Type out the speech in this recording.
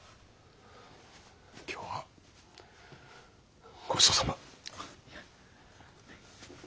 今日はごちそうさま。